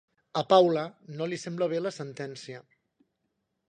A Paula no li sembla bé la sentència